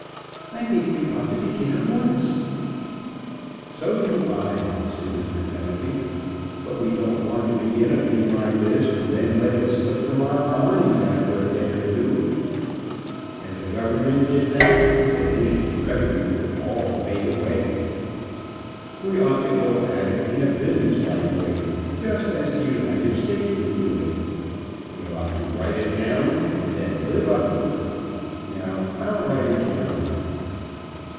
I think we ought to begin at once." "So do I," said Mr. Fenelby. "But we don't want to begin a thing like this and then let it slip from our minds after a day or two. If the government did that the nation's revenue would all fade away. We ought to go at it in a business like way, just as the United States would do it. We ought to write it down, and then live up to it. Now, I'll write it down."